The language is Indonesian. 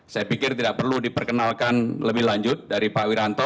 saya pikir tidak perlu diperkenalkan lebih lanjut dari pak wiranto